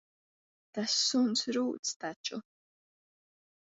Tas suns rūc taču.